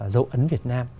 dấu ấn việt nam